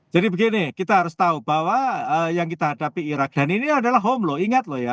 jadi begini kita harus tahu bahwa yang kita hadapi iraq dan ini adalah home loh ingat loh ya